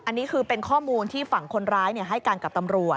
อันนี้คือเป็นข้อมูลที่ฝั่งคนร้ายให้การกับตำรวจ